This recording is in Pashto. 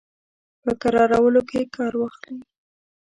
په کرارولو کې کار واخلي.